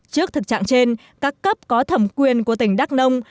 trước thực trạng trên các cấp có thẩm quyền của tỉnh đắk rổ mon